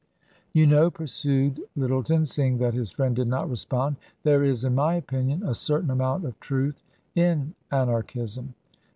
" You know," pursued Lyttleton, seeing that his friend did not respond, " there is, in my opinion, a cer tain amount of truth in Anarchism."